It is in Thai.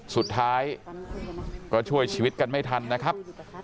สุดท้ายก็ช่วยชีวิตกันไม่ทันนะครับ